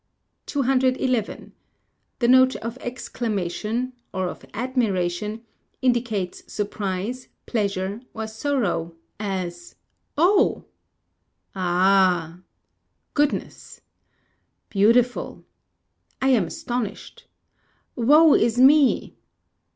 211. The Note of Exclamation or of admiration ! indicates surprise, pleasure, or sorrow; as "Oh! Ah! Goodness! Beautiful! I am astonished! Woe is me!"